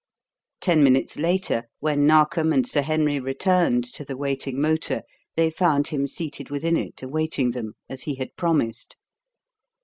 Ten minutes later, when Narkom and Sir Henry returned to the waiting motor, they found him seated within it awaiting them, as he had promised.